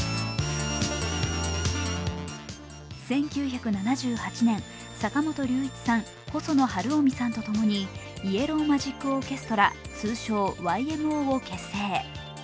１９７８年、坂本龍一さん、細野晴臣さんとともにイエロー・マジック・オーケストラ、通称・ＹＭＯを結成。